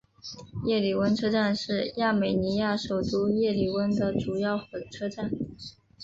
叶里温车站是亚美尼亚首都叶里温的主要火车站。